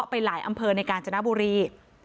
ไปหลายอำเภอในการจนบุรี